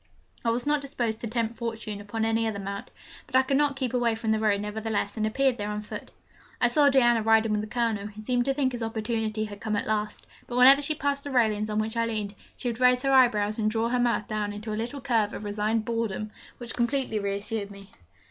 I was not disposed to tempt Fortune upon any other mount, but I could not keep away from the Row, nevertheless, and appeared there on foot. I saw Diana riding with the Colonel, who seemed to think his opportunity had come at last; but whenever she passed the railings on which I leaned, she would raise her eyebrows and draw her mouth down into a little curve of resigned boredom, which completely reassured me.